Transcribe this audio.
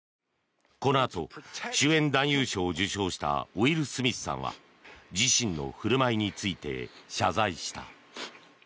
このあと、主演男優賞を受賞したウィル・スミスさんは自身の振る舞いについて謝罪した。